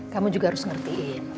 kamu juga harus ngertiin